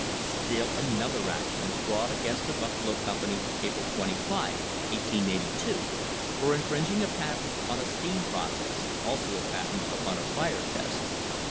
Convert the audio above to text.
Still another action was brought against the Buf falo company April 25, 1882, for infringing a patent on a steam process, also a patent upon a fire test.